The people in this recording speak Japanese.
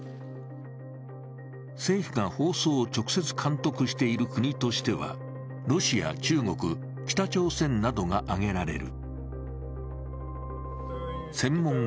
政府が放送を直接監督している国としては、ロシア、中国、北朝鮮などが挙げられる。